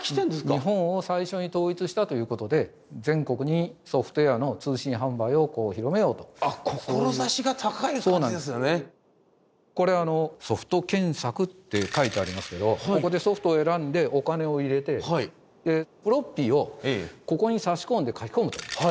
日本を最初に統一したということでこれソフト検索って書いてありますけどここでソフトを選んでお金を入れてでフロッピーをここに差し込んで書き込むと。